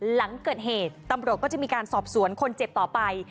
หลังเกิดเหตุตำรวจก็จะมีการสอบสวนคนเจ็บต่อไป